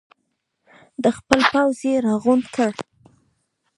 خپل پوځ یې راغونډ کړ.